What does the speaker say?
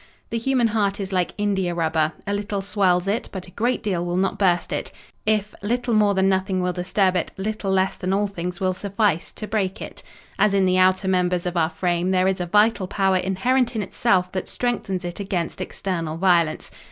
The human heart is like india rubber; a little swells it, but a great deal will not burst it. If 'little more than nothing will disturb it, little less than all things will suffice' to break it. As in the outer members of our frame, there is a vital power inherent in itself that strengthens it against external violence.